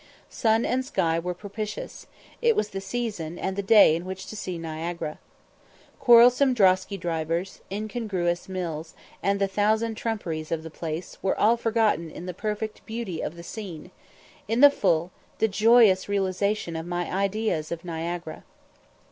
Sun and sky were propitious; it was the season and the day in which to see Niagara. Quarrelsome drosky drivers, incongruous mills, and the thousand trumperies of the place, were all forgotten in the perfect beauty of the scene in the full, the joyous realisation of my ideas of Niagara.